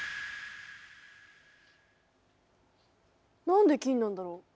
なんで金なんだろう？